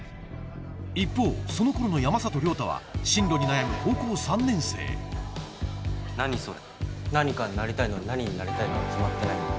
一方その頃の山里亮太は進路に悩む高校３年生何それ何かになりたいのに何になりたいかは決まってないんだ。